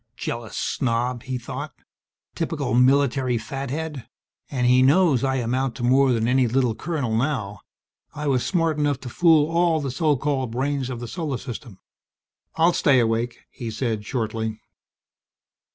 Jealous snob! he thought. _Typical military fathead, and he knows I amount to more than any little colonel now. I was smart enough to fool all the so called brains of the Solar System._ "I'll stay awake," he said shortly.